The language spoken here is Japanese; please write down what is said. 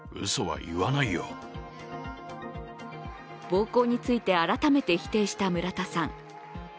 暴行について改めて否定した村田さん。